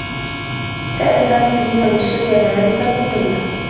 كان سامي يريد أن يشتري ملابسا لليلى.